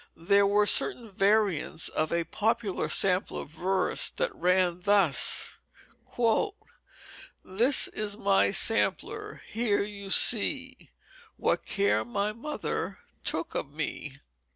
There were certain variants of a popular sampler verse that ran thus: "This is my Sampler, Here you see What care my Mother Took of me."